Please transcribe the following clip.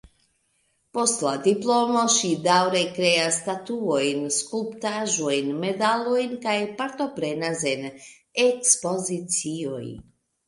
Post la diplomo ŝi daŭre kreas statuojn, skulptaĵojn, medalojn kaj partoprenas en ekspozicioj.